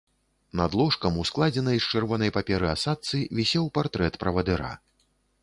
Над ложкам у складзенай з чырвонай паперы асадцы вісеў партрэт правадыра.